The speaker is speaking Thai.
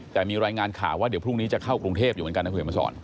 แต่มีรายงานข่าวว่าเดี๋ยวพรุ่งนี้จะเข้ากรุงเทพอยู่เหมือนกันนะคุณเห็นมาสอน